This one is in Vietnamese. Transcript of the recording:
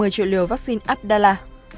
truyền liệu vaccine abdala